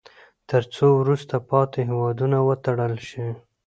تر څو وروسته پاتې هیوادونه وتړل شي.